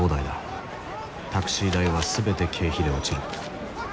タクシー代は全て経費で落ちる。